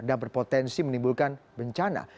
dan berpotensi menimbulkan bencana